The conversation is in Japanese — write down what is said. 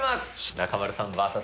中丸さんＶＳ